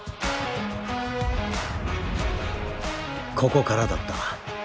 ここからだった。